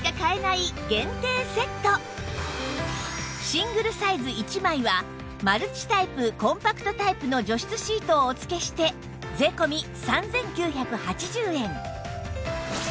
シングルサイズ１枚はマルチタイプコンパクトタイプの除湿シートをお付けして税込３９８０円